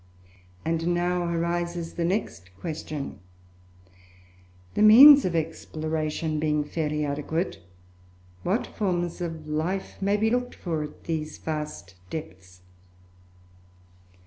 And now arises the next question. The means of exploration being fairly adequate, what forms of life may be looked for at these vast depths?